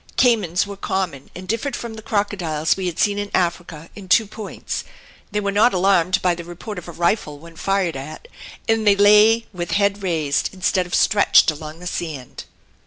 Caymans were common, and differed from the crocodiles we had seen in Africa in two points: they were not alarmed by the report of a rifle when fired at, and they lay with the head raised instead of stretched along the sand.